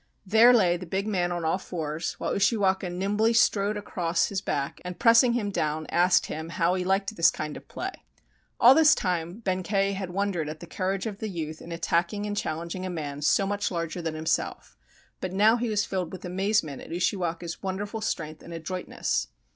There lay the big man on all fours, while Ushiwaka nimbly strode across 3" JAPAN his back and pressing him down asked him how he liked this kind of play. All this time Benkei had wondered at the courage of the youth in attacking and challenging a man so much larger than himself, but now he was filled with amaze ment at Ushiwaka's wonderful strength and adroitness.